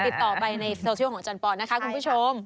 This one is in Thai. ติดต่อไปในโซเชียลของอาจารย์ปอนนะคะคุณผู้ชม